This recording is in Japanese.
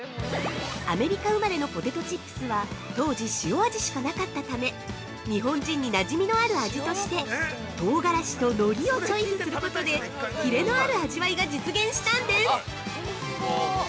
◆アメリカ生まれのポテトチップスは、当時塩味しかなかったため日本人に馴染みのある味として「唐辛子」と「のり」をチョイスすることでキレのある味わいが実現したんです！